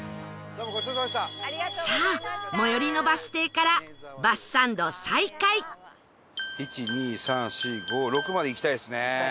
さあ最寄りのバス停からバスサンド再開１２３４５６まで行きたいですね。